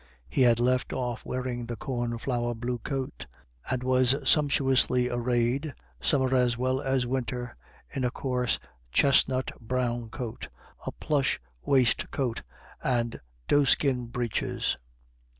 He had left off wearing the corn flower blue coat, and was sumptuously arrayed, summer as well as winter, in a coarse chestnut brown coat, a plush waistcoat, and doeskin breeches.